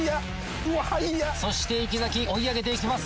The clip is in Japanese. そして池崎追い上げていきます。